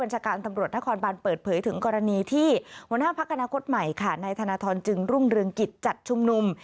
หัวหน้าพักอนาคตใหม่ค่ะในธนทรจึงรุ่งเรืองกิจจัดชุมนุม